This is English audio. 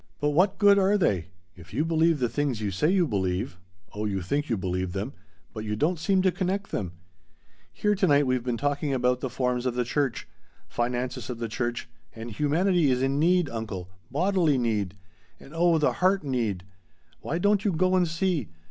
But what good are they? If you believe the things you say you believe oh you think you believe them but you don't seem to connect them. Here to night we've been talking about the forms of the church finances of the church and humanity is in need, uncle bodily need and oh the heart need! Why don't you go and see?